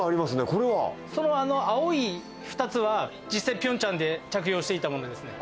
それは青い２つは、実際ピョンチャンで着用していたものですね。